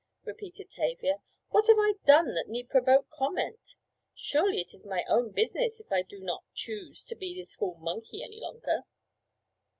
repeated Tavia. "What have I done that need provoke comment? Surely it is my own business if I do not choose to be the school monkey any longer.